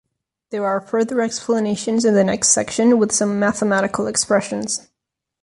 There are further explanations in the next section with some mathematical expressions.